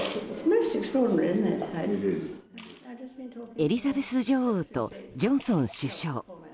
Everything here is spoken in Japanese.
エリザベス女王とジョンソン首相。